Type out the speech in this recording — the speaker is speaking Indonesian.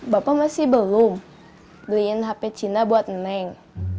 bapak masih belum beliin hp cina buat nenek